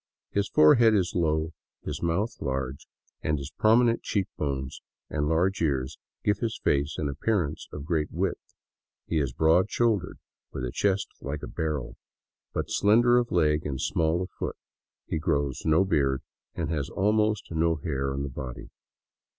His forehead is low, his mouth large, and his prominent cheek bones and large ears give his face an appearance of great width. He is broad shouldered, with a chest like a barrel, but slender of leg and small of foot. He grows no beard, and has almost no hair on the body.